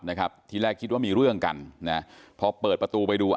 นะครับทีแรกคิดว่ามีเรื่องกันนะพอเปิดประตูไปดู